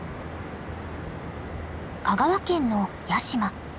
香川県の屋島。